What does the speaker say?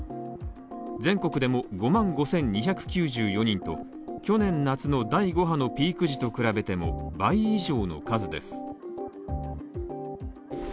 全国でも５万５２９４人と去年夏の第５波のピーク時と比べても倍以上の数です。